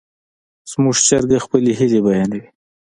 زموږ چرګه خپلې هیلې بیانوي.